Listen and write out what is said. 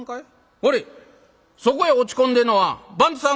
あれそこへ落ち込んでんのは番頭さんかい？」。